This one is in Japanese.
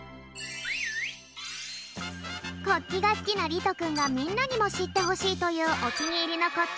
国旗がすきなりとくんがみんなにもしってほしいというお気に入りの国旗だい１位のはっぴょう。